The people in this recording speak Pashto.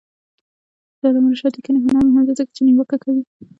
د علامه رشاد لیکنی هنر مهم دی ځکه چې نیوکه کوي.